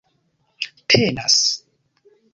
tenas